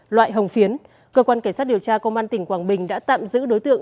loại hồng phiến cơ quan cảnh sát điều tra công an tỉnh quảng bình đã tạm giữ đối tượng